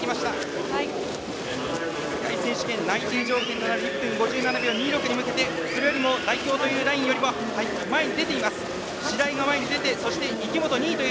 世界選手権内定条件となる１分５７秒２６に向けてそれよりも前に出ています。